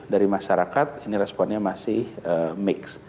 dari masyarakat ini responnya masih mix